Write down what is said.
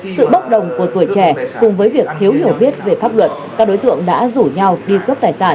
sự bốc đồng của tuổi trẻ cùng với việc thiếu hiểu biết về pháp luật các đối tượng đã rủ nhau đi cướp tài sản